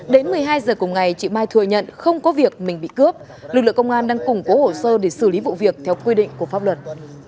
đến một mươi hai giờ cùng ngày chị mai thừa nhận không có việc mình bị cướp lực lượng công an đang củng cố hồ sơ để xử lý vụ việc theo quy định của pháp luật